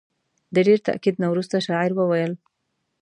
د ډېر تاکید نه وروسته شاعر وویل.